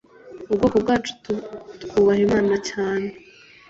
ubwoko bwacu twubaha imana cyane